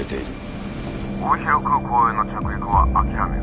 「帯広空港への着陸は諦める。